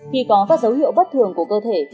khi có các dấu hiệu bất thường của cơ thể